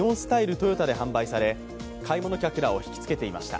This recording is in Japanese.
豊田で販売され、買い物客らを引きつけていました。